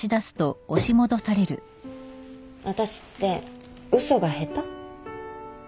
私って嘘が下手？